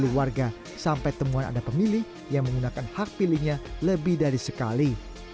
warga sampai temuan ada pemilih yang menggunakan hak pilihnya lebih dari sekali